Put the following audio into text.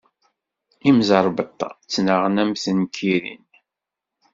Imẓerbeḍḍa ttnaɣen am tenkirin.